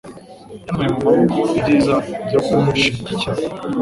yantwaye mu maboko ibyiza byo kunshigikira